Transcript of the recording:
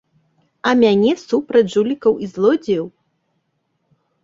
А мяне супраць жулікаў і злодзеяў!